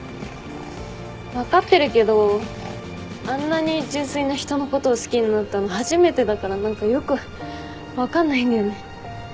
分かってるけどあんなに純粋な人のことを好きになったの初めてだから何かよく分かんないんだよね。